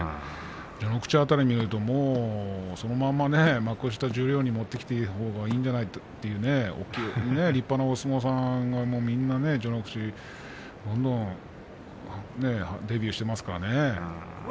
序ノ口辺りを見るともうそのまま幕下、十両にもってきたほうがいいんじゃないかという立派なお相撲さんがみんな序ノ口、どんどんデビューしていますからね。